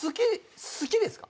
好きですか？